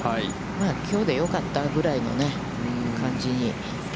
きょうでよかったぐらいのね、感じに。